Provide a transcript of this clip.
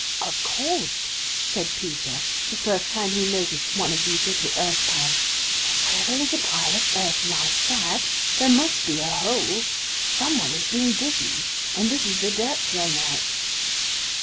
"Of course," said Peter the first time he noticed one of these little earth piles, "where there is a pile of earth like that, there must be a hole. Some one has been digging, and this is the dirt thrown out."